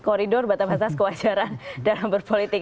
koridor batas batas kewajaran dalam berpolitik